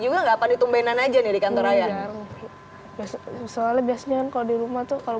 juga nggak panit umbenan aja nih kantornya soalnya biasanya kalau di rumah tuh kalau